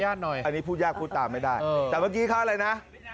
อ๋ออันนี้พูดยากพูดตามไม่ได้มีมารยาทหน่อยแต่เมื่อกี้ข้าวอะไรนะ